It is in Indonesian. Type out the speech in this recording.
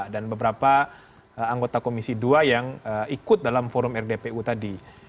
dan beberapa anggota komisi dua yang ikut dalam forum rdpu tadi